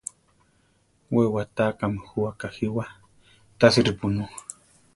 We watákami jú akajíwa, tasi ripunú.